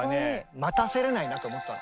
待たせられないなと思ったの。